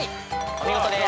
お見事です。